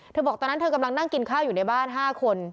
บอกตอนนั้นเธอกำลังนั่งกินข้าวอยู่ในบ้าน๕คน